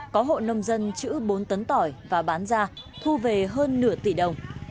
có hộ nông dân chữ bốn tấn tỏi và bán ra thu về hơn nửa tỷ đồng